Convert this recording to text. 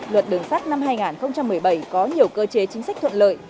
luật đường sắt năm hai nghìn một mươi bảy có nhiều cơ chế chính sách thuận lợi